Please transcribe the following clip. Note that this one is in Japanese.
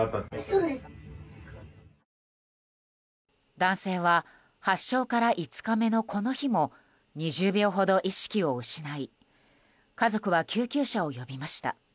男性は発症から５日目のこの日も２０秒ほど意識を失い家族は救急車を呼びました。